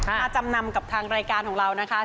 มาจำนำกับทางรายการของเรานะคะ